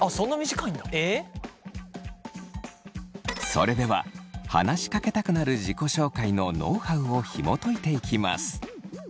それでは話しかけたくなる自己紹介のノウハウをひもといていきます。